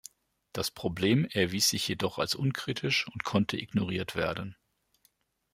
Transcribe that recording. Das Problem erwies sich jedoch als unkritisch und konnte ignoriert werden.